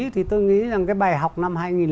thì tôi nghĩ rằng cái bài học năm hai nghìn tám